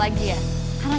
aku mau ke rumah